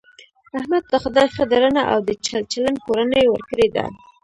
احمد ته خدای ښه درنه او د چل چلن کورنۍ ورکړې ده .